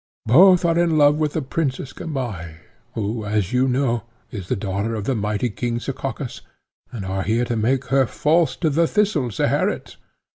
Both are in love with the Princess, Gamaheh, who, as you know, is the daughter of the mighty king, Sekakis, and are here to make her false to the Thistle, Zeherit.